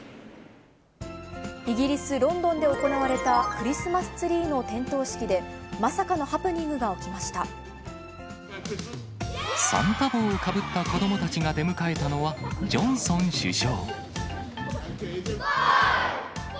イギリス・ロンドンで行われたクリスマスツリーの点灯式で、サンタ帽をかぶった子どもたちが出迎えたのは、ジョンソン首相。